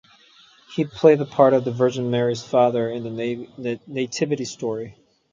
He played the part of the Virgin Mary's father in "The Nativity Story".